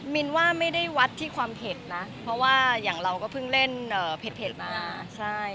มินว่าไม่ได้วัดที่ความเผ็ดนะเพราะว่าอย่างเราก็เพิ่งเล่นเผ็ดมาใช่